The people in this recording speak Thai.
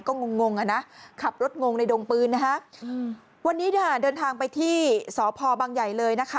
ก็งงขับรถงงในดงปืนวันนี้เดินทางไปที่สพบางใหญ่เลย